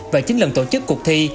và chín lần tổ chức cuộc thi